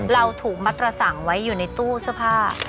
เราถูกมัดระสังไว้อยู่ในตู้เสื้อผ้า